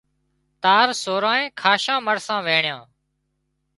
تار سورانئين کاشان مرسان وينڻيان